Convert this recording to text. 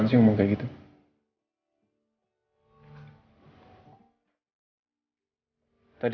masa tuh perasaan kita penting